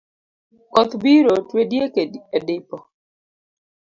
Koth biro twe diek e dipo.